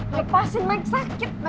lepasin mike sakit